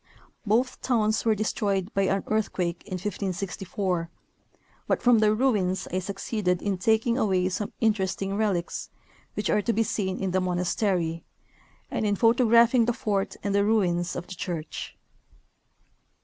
Both towns were destroyed by an earthquake in 1564, but from their ruins I succeeded in taking away some interesting relics, which are to be seen in the monastery, and in photographing the fort and the ruins of the church.